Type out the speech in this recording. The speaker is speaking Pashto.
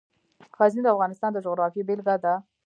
غزني د افغانستان د جغرافیې بېلګه ده.